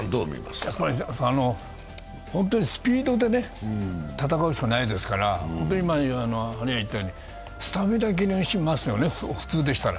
本当にスピードで戦うしかないですから、本当にスタミナ切れしますよね、普通でしたら。